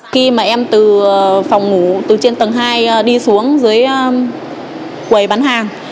khi mà em từ phòng ngủ từ trên tầng hai đi xuống dưới quầy bán hàng